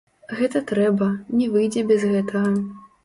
Гэта трэба, не выйдзе без гэтага.